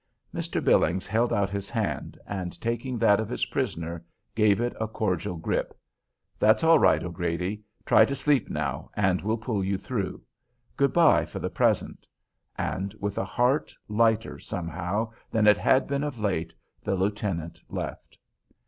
Mr. Billings held out his hand, and, taking that of his prisoner, gave it a cordial grip: "That's all right, O'Grady. Try to sleep now, and we'll pull you through. Good by, for the present." And, with a heart lighter, somehow, than it had been of late, the lieutenant left.